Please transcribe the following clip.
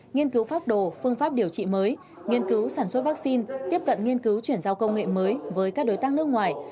nghiên cứu phác đồ phương pháp điều trị mới nghiên cứu sản xuất vaccine tiếp cận nghiên cứu chuyển giao công nghệ mới với các đối tác nước ngoài